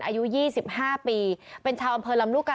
อายุ๒๕ปีเป็นชาวอำเภอลำลูกกา